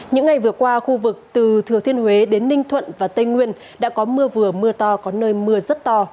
những ngày vừa qua khu vực từ thừa thiên huế đến ninh thuận và tây nguyên đã có mưa vừa mưa to có nơi mưa rất to